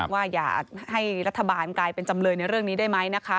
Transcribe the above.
ว่าอยากให้รัฐบาลกลายเป็นจำเลยในเรื่องนี้ได้ไหมนะคะ